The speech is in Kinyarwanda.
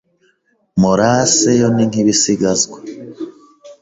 molasses yo ni nk’ibisigazwa